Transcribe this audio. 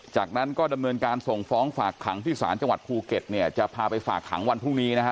จากนั้นก็ดำเนินการส่งฟ้องฝากขังที่ศาลจังหวัดภูเก็ตเนี่ยจะพาไปฝากขังวันพรุ่งนี้นะฮะ